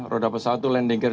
roda pesawat itu landing care